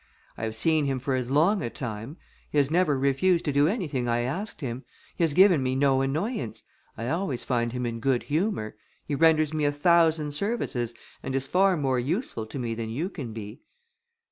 I have seen him for as long a time; he has never refused to do anything I asked him: he has given me no annoyance; I always find him in good humour; he renders me a thousand services, and is far more useful to me than you can be."